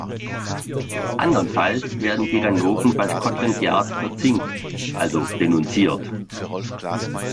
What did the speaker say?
Andernfalls werden die Ganoven bei Scotland Yard „verzinkt“, also denunziert.